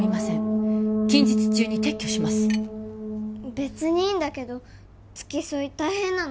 別にいいんだけど付き添い大変なの？